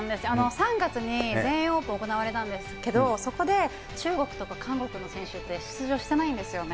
３月に全英オープン行われたんですけど、そこで中国とか韓国の選手って出場してないんですよね。